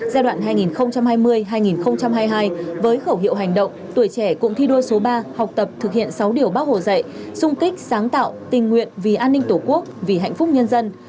giai đoạn hai nghìn hai mươi hai nghìn hai mươi hai với khẩu hiệu hành động tuổi trẻ cụng thi đua số ba học tập thực hiện sáu điều bác hồ dạy xung kích sáng tạo tình nguyện vì an ninh tổ quốc vì hạnh phúc nhân dân